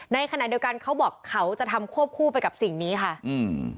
ในขณะเดียวกันเขาบอกเขาจะทำควบคู่ไปกับสิ่งนี้ค่ะอืม